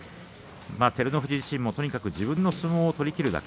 照ノ富士自身もとにかく自分の相撲を取りきるだけ。